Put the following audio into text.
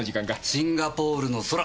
シンガポールの空。